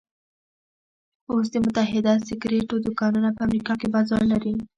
اوس د متحده سګرېټو دوکانونه په امريکا کې بازار لري.